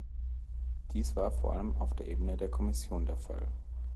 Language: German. Dies war vor allem auf der Ebene der Kommission der Fall.